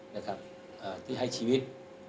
นะครับที่ให้ชีวิต